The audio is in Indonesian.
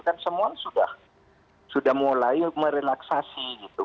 kan semua sudah mulai merelaksasi gitu